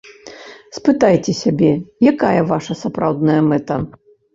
Спытайце сябе, якая вашая сапраўдная мэта.